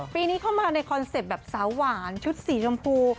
ปีนี้เข้ามาในคอนเซ็ปต์แบบสาวหวานชุดสีชมพู